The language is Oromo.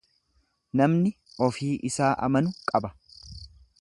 Namni ofii isaa amanu qaba.